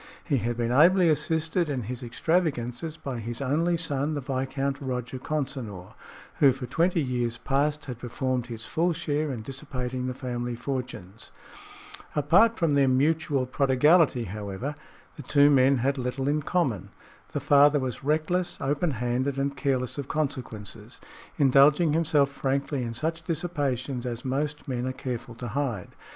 He had been ably assisted in his extravagances by his only son, the Viscount Roger Consinor, who for twenty years past had performed his full share in dissipating the family fortunes. Aside from their mutual prodigality, however, the two men had little in common. The father was reckless, open handed and careless of consequences, indulging himself frankly in such dissipations as most men are careful to hide.